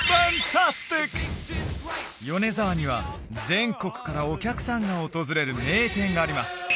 米沢には全国からお客さんが訪れる名店があります